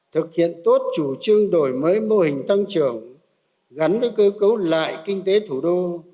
thực hiện tốt chủ trương đổi mới mô hình tăng trưởng gắn với cơ cấu lại kinh tế thủ đô